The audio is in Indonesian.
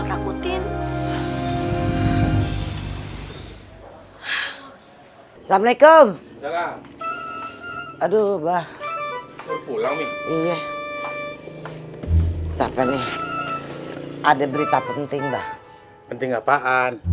hai assalamualaikum aduh bah pulang nih iya sampai nih ada berita penting bah penting apaan